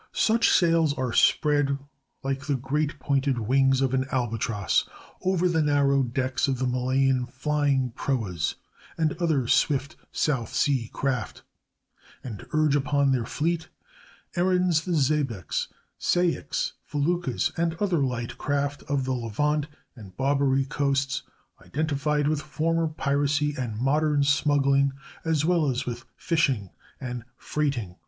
Such sails are spread like the great pointed wings of an albatross over the narrow decks of the Malayan "flying proas" and other swift South Sea craft, and urge upon their fleet errands the xebecs, saics, feluccas, and other light craft of the Levant and Barbary coasts, identified with former piracy and modern smuggling, as well as with fishing and freighting.